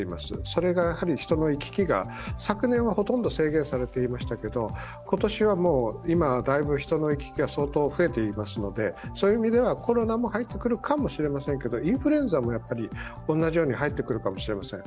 それが人の行き来が、昨年はほとんど制限されていましたけど今年は今、だいぶ人の行き来が相当増えていますのでそういう意味ではコロナも入ってくるかもしれませんけれども、インフルエンザもやはり同じように入ってくるかもしれません。